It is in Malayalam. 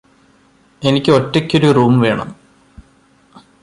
എനിക്ക് ഒറ്റയ്ക്കൊരു റൂം വേണം